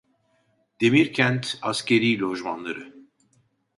Demirkent Askerî lojmanları